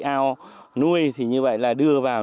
ao nuôi thì như vậy là đưa vào